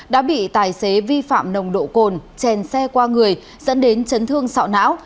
đã bị tài xế vi phạm nồng độ cồn chèn xe qua người dẫn đến chấn thương sọ não